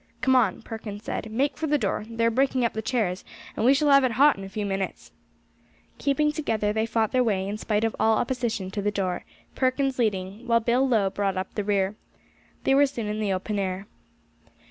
"Come on," Perkins said, "make for the door; they are breaking up the chairs, and we shall have it hot in a few minutes." Keeping together, they fought their way, in spite of all opposition, to the door, Perkins leading, while Bill Lowe brought up the rear. They were soon in the open air.